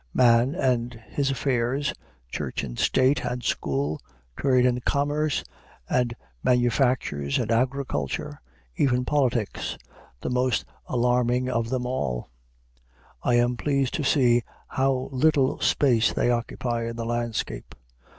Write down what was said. Man and his affairs, church and state and school, trade and commerce, and manufactures and agriculture, even politics, the most alarming of them all, I am pleased to see how little space they occupy in the landscape.